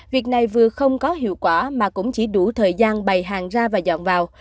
việc này vừa không có hiệu quả mà cũng chỉ đủ thời gian bày hàng ra và dọn vào